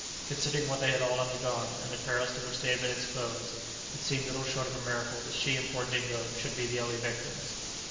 Considering what they had all undergone, and the perils to which they had been exposed, it seemed little short of a miracle that she and poor Dingo should be the only victims.